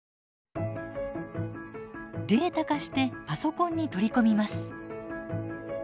データ化してパソコンに取り込みます。